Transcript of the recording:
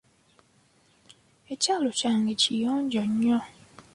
Ekyalo kyange kiyonjo nnyo.